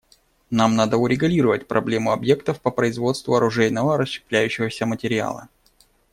Нам надо урегулировать проблему объектов по производству оружейного расщепляющегося материала.